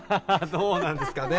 どうなんですかね。